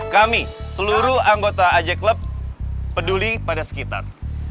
kami seluruh anggota aj club peduli pada sekitar